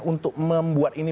untuk membuat ini